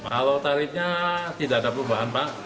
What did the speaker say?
kalau tarifnya tidak ada perubahan pak